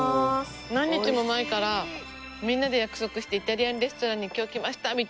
何日も前からみんなで約束してイタリアンレストランに今日来ました！